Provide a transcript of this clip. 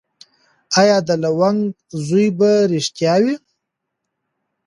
ایا د لونګ زوی به ریښتیا وایي؟